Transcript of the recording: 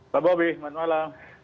pak bobi selamat malam